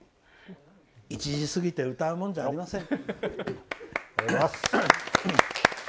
１時過ぎて歌うもんじゃありません。